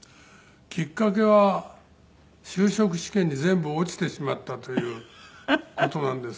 きっかけは就職試験に全部落ちてしまったという事なんです